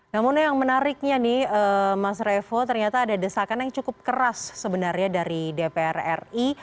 namun yang menariknya nih mas revo ternyata ada desakan yang cukup keras sebenarnya dari dpr ri